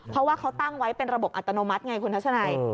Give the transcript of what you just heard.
เพราะว่าเขาตั้งไว้เป็นระบบอัตโนมัติไงคุณทัศนัย